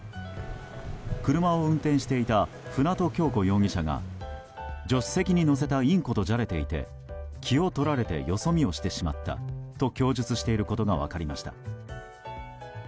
車を運転していた舟渡今日子容疑者が助手席に乗せたインコとじゃれていて気を取られてよそ見をしてしまったと供述していることが分かりました。